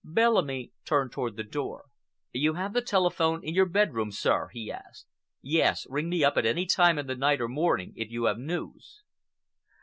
Bellamy turned toward the door. "You have the telephone in your bedroom, sir?" he asked. "Yes, ring me up at any time in the night or morning, if you have news."